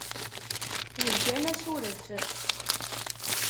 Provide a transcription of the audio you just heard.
Heggan asuref.